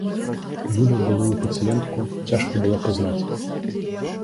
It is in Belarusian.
Юлю, былую пацыентку, цяжка было пазнаць.